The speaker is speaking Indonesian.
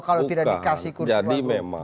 kalau tidak dikasih kursi waktu